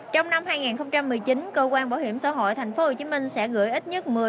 trong năm hai nghìn một mươi chín cơ quan bảo hiểm xã hội tp hcm sẽ gửi ít nhất một mươi